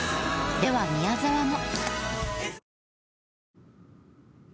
では宮沢も。